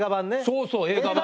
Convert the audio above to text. そうそう映画版。